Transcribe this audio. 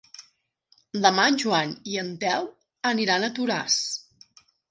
Demà en Joan i en Telm aniran a Toràs.